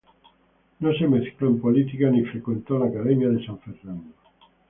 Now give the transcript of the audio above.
No se mezcló en política ni frecuentó la Academia de San Fernando.